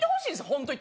本当に。